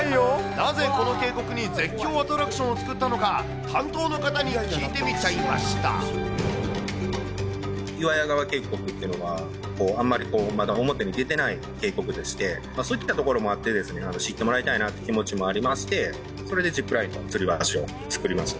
なぜこの渓谷に絶叫アトラクションを作ったのか、担当の方に岩屋川渓谷っていうのはあまりまだ表に出てない渓谷でして、そういったところもあって知ってもらいたいなという気持ちもありまして、それでジップラインのつり橋を作りました。